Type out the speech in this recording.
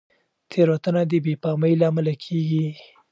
تېروتنه د بې پامۍ له امله کېږي.